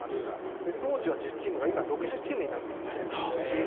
当時は１０チームだったのが今は６０チームになっているので。